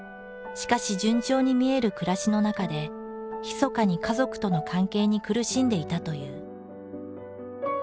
しかし順調に見える暮らしの中でひそかに家族との関係に苦しんでいたという。